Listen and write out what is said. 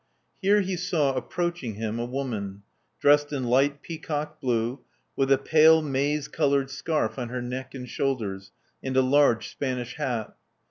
Here he saw approaching him a woman, dressed in light peacock blue, with a pale maize colored scarf on her neck and shoulders, and a large Spanish hat.